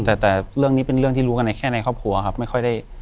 แต่เรื่องนี้เป็นเรื่องที่รู้กันในแค่ในครอบครัวครับไม่ค่อยได้